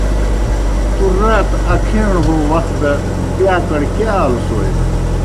تُوْ رات اکھیݨ ہو وخ دہ بِیاکڑ کیْہ آلوْسوئے؟